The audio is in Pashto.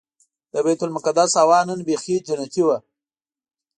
د بیت المقدس هوا نن بيخي جنتي وه.